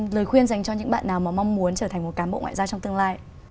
lời khuyên dành cho những bạn nào mà mong muốn trở thành một cán bộ ngoại giao trong tương lai